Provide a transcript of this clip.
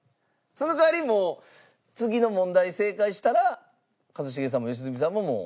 その代わりもう次の問題正解したら一茂さんも良純さんももう。